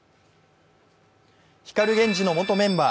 光ＧＥＮＪＩの元メンバー